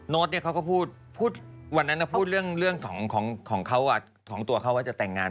โน๊ตเนี่ยเขาก็พูดวันนั้นก็พูดเรื่องของเขาอ่ะของตัวเขาว่าจะแต่งงาน